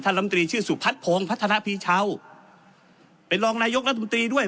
ท่านลำตรีชื่อสุพัฒน์โผงพัฒนภีรเช่าเป็นรองนายกรรมนัฐมนตรีด้วย